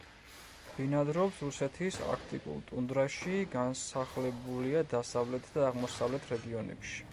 ბინადრობს რუსეთის არქტიკულ ტუნდრაში, განსახლებულია დასავლეთ და აღმოსავლეთ რეგიონებში.